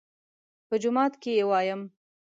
_په جومات کې يې وايم.